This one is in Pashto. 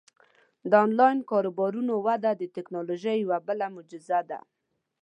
د آنلاین کاروبارونو وده د ټیکنالوژۍ یوه بله معجزه ده.